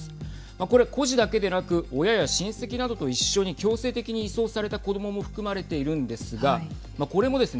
これ、孤児だけでなく親や親戚などと一緒に強制的に移送された子どもも含まれているんですがこれもですね